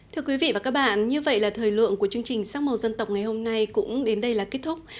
thưa quý vị và các bạn như vậy là thời lượng của chương trình sắc màu dân tộc ngày hôm nay cũng đến đây là kết thúc